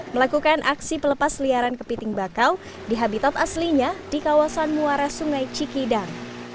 melakukan aksi pelepas liaran kepiting bakau di habitat aslinya di kawasan muara sungai cikidang